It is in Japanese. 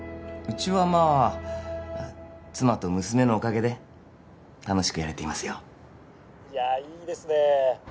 うちはまあ妻と娘のおかげで楽しくやれていますよいやいいですねえ